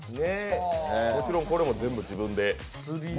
もちろんこれも全部自分で？